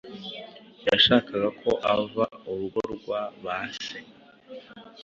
Yashakaga ko ahava urugo rwa ba se